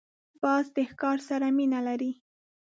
باز د ښکار سره مینه لري